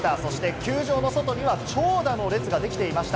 そして球場の外には長蛇の列ができていました。